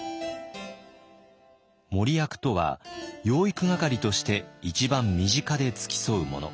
傅役とは養育係として一番身近で付き添う者。